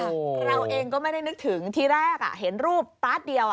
เราเองก็ไม่ได้นึกถึงทีแรกอ่ะเห็นรูปป๊าดเดียวอ่ะ